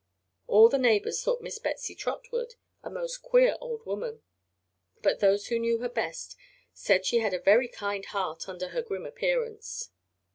All the neighbors thought Miss Betsy Trotwood a most queer old woman, but those who knew her best knew that she had a very kind heart under her grim appearance.